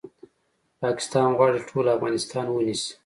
پاکستان غواړي ټول افغانستان ونیسي